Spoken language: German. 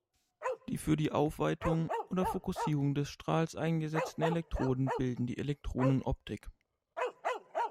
Die für die Aufweitung oder Fokussierung des Strahls eingesetzten Elektroden bilden die Elektronenoptik.